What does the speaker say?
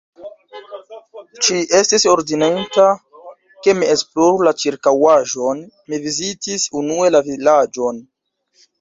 Ci estis ordoninta, ke mi esploru la ĉirkaŭaĵon; mi vizitis unue la vilaĝon.